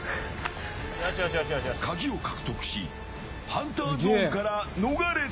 カギを獲得しハンターゾーンから逃れた。